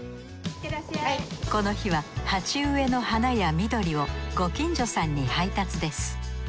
この日は鉢植えの花や緑をご近所さんに配達です。